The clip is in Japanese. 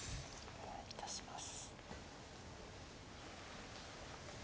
お願い致します。